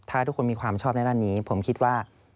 ถ้าทุกคนมีความชอบในด้านนี้ผมคิดว่า